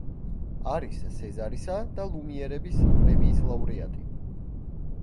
არის სეზარისა და ლუმიერების პრემიის ლაურეატი.